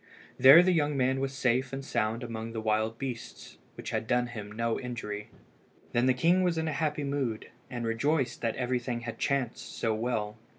There the young man was safe and sound among the wild beasts, which had done him no injury. Then the king was in a happy mood, and rejoiced that everything had chanced so well.